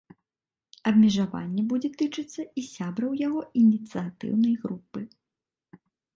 Абмежаванне будзе тычыцца і сябраў яго ініцыятыўнай групы.